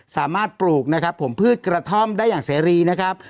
ปลูกนะครับผมพืชกระท่อมได้อย่างเสรีนะครับ